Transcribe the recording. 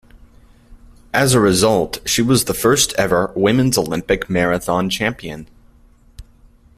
As a result, she was the first-ever women's Olympic marathon champion.